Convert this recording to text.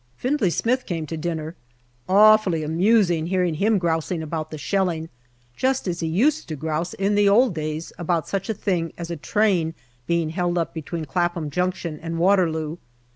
Findlay Smith came to dinner. Awfully amusing hear ing him grousing about the shelling, just as he used to grouse in the old days about such a thing as a train being held up between Clapham Junction and Waterloo.